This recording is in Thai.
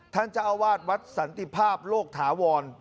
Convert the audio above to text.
ท่านเจ้าอาวาสวัดสันติภาพโลกถาวร